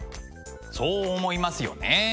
そう思いますよね。